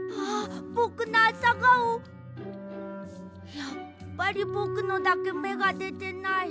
やっぱりぼくのだけめがでてない。